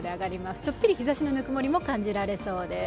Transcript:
ちょっぴり日ざしのぬくもりも感じられそうです。